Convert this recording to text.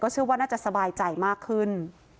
เชื่อว่าน่าจะสบายใจมากขึ้น